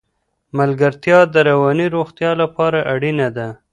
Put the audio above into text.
ملګرتیا د رواني روغتیا لپاره اړینه ده.